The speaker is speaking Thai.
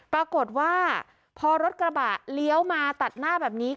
ปรากฏว่าพอรถกระบะเลี้ยวมาตัดหน้าแบบนี้